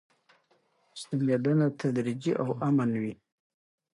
ستنېدنه تدریجي او امن وي.